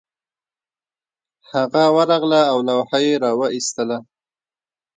هغه ورغله او لوحه یې راویستله